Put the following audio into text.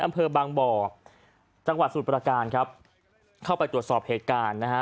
อำเภอบางบ่อจังหวัดสมุทรประการครับเข้าไปตรวจสอบเหตุการณ์นะฮะ